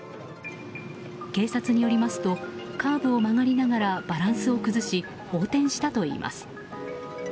警察によりますとカーブを曲がりながらバランスを崩し横転したといいます。